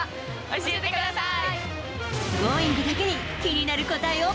教えてください。